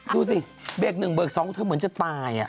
ดูสิเบรก๑เบรก๒เธอเหมือนจะตาย